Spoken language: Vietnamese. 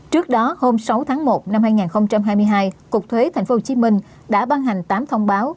trước đó hôm sáu tháng một năm hai nghìn hai mươi hai cục thuế tp hcm đã ban hành tám thông báo